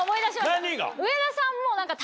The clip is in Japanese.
何が？